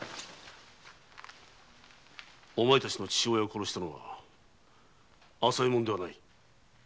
お前たちの父親を殺したのは朝右衛門ではない。